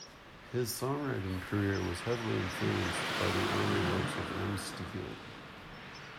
His songwriting career was heavily influenced by the early works of M-Steel.